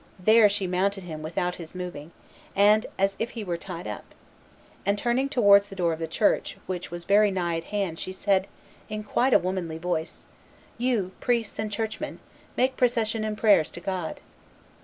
There she mounted him without his moving, and as if he were tied up; and turning towards the door of the church, which was very nigh at hand, she said, in quite a womanly voice, 'You, priests and church men, make procession and prayers to God.